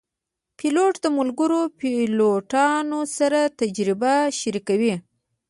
پیلوټ د ملګرو پیلوټانو سره تجربه شریکوي.